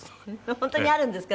本当にあるんですか？